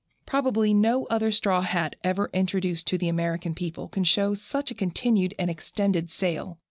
Probably no other straw hat ever introduced to the American public can show such a continued and extended sale.